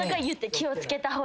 気を付けた方がいいよ。